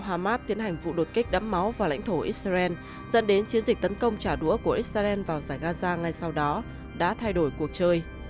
hamas tiến hành vụ đột kích đắm máu vào lãnh thổ israel dẫn đến chiến dịch tấn công trả đũa của israel vào giải gaza ngay sau đó đã thay đổi cuộc chơi